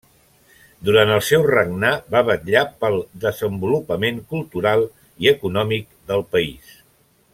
Durant el seu regnar va vetllar pel desenvolupament cultural i econòmic del país.